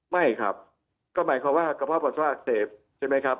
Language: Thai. ไม่ครับก็หมายความว่ากระเพาะปัสสาวะอักเสบใช่ไหมครับ